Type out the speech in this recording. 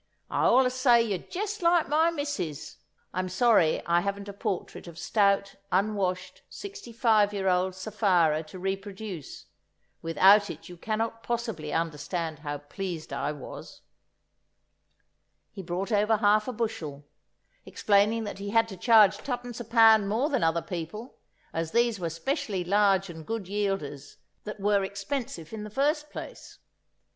I allus say you're jest like my missus." (I'm sorry I haven't a portrait of stout, unwashed, sixty five year old Sapphira to reproduce; without it you cannot possibly understand how pleased I was!) He brought over half a bushel, explaining that he had to charge twopence a pound more than other people, as these were specially large and good yielders, that were expensive in the first place.